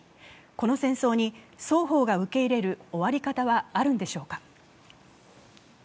この戦争に双方が受け入れる終わり方はあるんでしょうか？